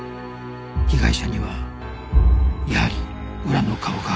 被害者にはやはり裏の顔があった